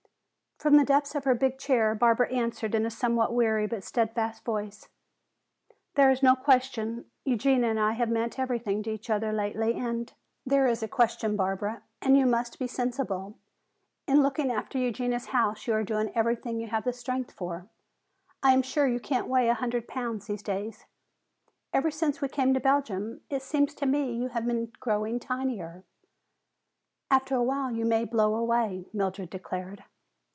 From the depth of her big chair Barbara answered in a somewhat weary but steadfast voice: "There is no question; Eugenia and I have meant everything to each other lately, and " "There is a question, Barbara, and you must be sensible. In looking after Eugenia's house you are doing everything you have strength for. I am sure you can't weigh a hundred pounds these days! Ever since we came to Belgium, it seems to me you have been growing tinier. After a while you may blow away," Mildred declared.